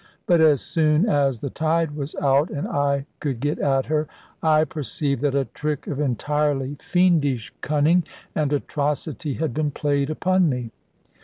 But as soon as the tide was out, and I could get at her, I perceived that a trick of entirely fiendish cunning and atrocity had been played upon me.